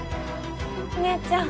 お姉ちゃん。